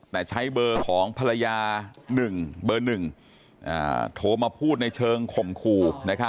แต่ใช้เบอร์ของภรรยา๑เบอร์๑โทรมาพูดในเชิงข่มขู่